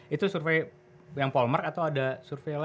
itu survei yang polmer atau ada survei lain